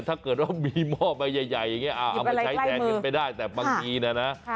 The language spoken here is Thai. ถ้าเกิดว่ามีหม้อมาใหญ่เอาตัวค่ะ